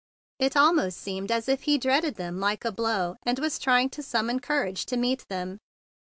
It almost seemed as if he dreaded them like a blow, and was trying to summon cour¬ age to meet them.